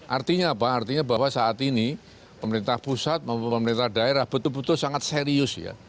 artinya apa artinya bahwa saat ini pemerintah pusat maupun pemerintah daerah betul betul sangat serius ya